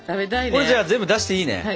これじゃあ全部出していいね。